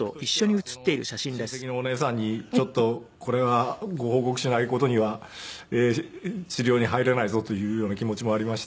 まあ僕としてはその親戚のお姉さんにちょっとこれはご報告しない事には治療に入れないぞというような気持ちもありまして。